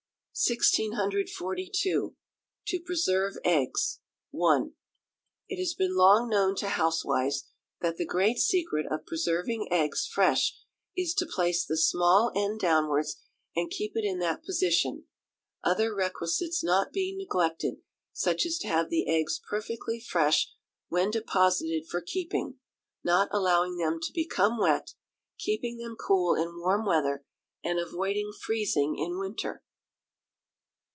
1642. To Preserve Eggs (1). It has been long known to housewives, that the great secret of preserving eggs fresh is to place the small end downwards, and keep it in that position other requisites not being neglected, such as to have the eggs perfectly fresh when deposited for keeping, not allowing them to become wet, keeping them cool in warm weather, and avoiding freezing in winter.